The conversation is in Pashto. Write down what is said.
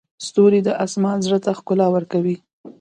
ستوري د اسمان زړه ته ښکلا ورکوي.